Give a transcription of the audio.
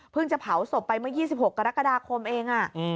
จะเผาศพไปเมื่อ๒๖กรกฎาคมเอง